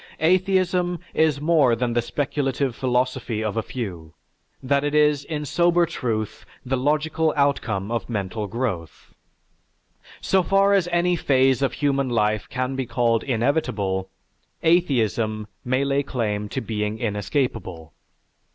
"Atheism is more than the speculative philosophy of a few, that it is in sober truth the logical outcome of mental growth. So far as any phase of human life can be called inevitable, atheism may lay claim to being inescapable.